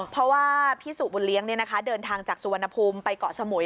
เพราะว่าพี่สุบุญเลี้ยงเดินทางจากสุวรรณภูมิไปเกาะสมุย